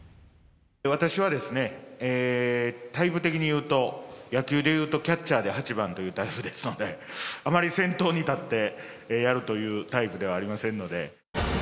私はタイプ的にいうと、野球でいうとキャッチャーで８番というタイプですので、甘利あまり先頭に立ってやるというタイプではありませんので。